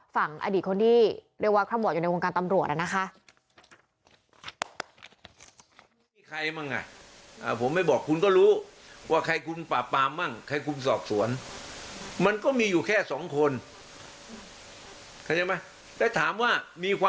ฝั่งอดีตคนที่เรียกว่าคำว่าอยู่ในวงการตำรวจแล้วนะคะ